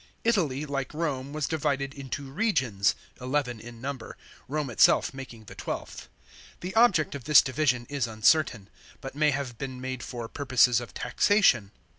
Italy, like Rome, was divided into regions, eleven in number,* Rome itself making the twelfth. The object of this division is uncertain ; but may have been made for purposes of taxation.